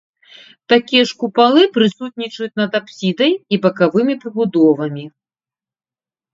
Такія ж купалы прысутнічаюць над апсідай і бакавымі прыбудовамі.